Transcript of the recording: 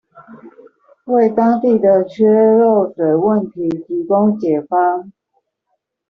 為當地的缺漏水問題提供解方